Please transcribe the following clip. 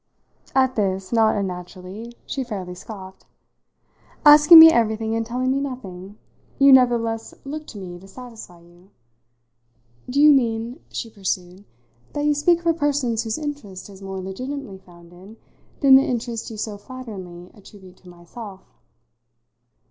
At this, not unnaturally, she fairly scoffed. "Asking me everything and telling me nothing, you nevertheless look to me to satisfy you? Do you mean," she pursued, "that you speak for persons whose interest is more legitimately founded than the interest you so flatteringly attribute to myself?"